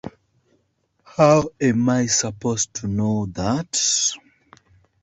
How am I supposed to know that?